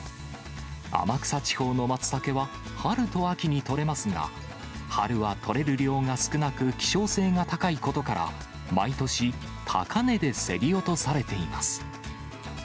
天草地方のマツタケは、春と秋に採れますが、春は採れる量が少なく希少性が高いことから、毎年、高値で競り落とされています。